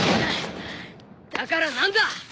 だから何だ！